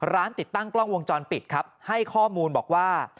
ติดตั้งกล้องวงจรปิดครับให้ข้อมูลบอกว่า